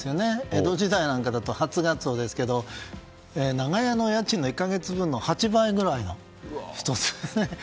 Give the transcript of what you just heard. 江戸時代だと初ガツオですけど長屋の家賃の１か月分の８倍くらい、１つでね。